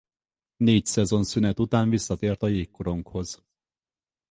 Négy szezon szünet után visszatért a jégkoronghoz.